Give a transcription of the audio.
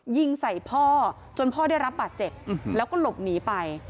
ยิงใส่พ่อจนพ่อได้รับบาดเจ็บแล้วก็หลบหนีไป